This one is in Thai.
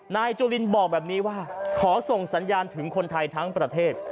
นายจุลินบอกแบบนี้ว่าขอส่งสัญญาณถึงคนไทยทั้งประเทศ